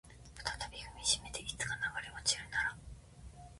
再び踏みしめていつか流れ落ちるなら